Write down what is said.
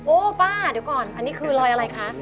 ป้าเดี๋ยวก่อนอันนี้คือรอยอะไรคะ